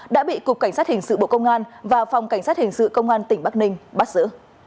đã bị cục cảnh sát hình sự bộ công an và phòng cảnh sát hình sự công an tỉnh bắc ninh bắt giữ